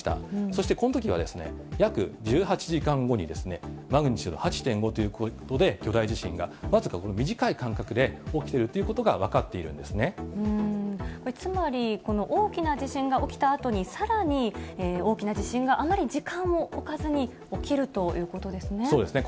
そしてこのとき早く１８時間後に、マグニチュード８．５ということで、巨大地震が僅かこの短い間隔で起きてるということが分かっているつまり、この大きな地震が起きた後に、さらに大きな地震が、あまり時間を置かずに起きるということですね。